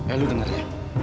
eh lu denger ya